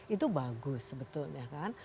itu bagus sebetulnya kan